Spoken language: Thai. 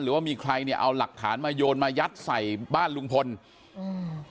ว่ามีใครเนี่ยเอาหลักฐานมาโยนมายัดใส่บ้านลุงพลอืม